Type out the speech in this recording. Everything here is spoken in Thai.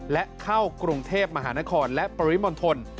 และเข้ากรุงเทพมหานครและปริมณฑล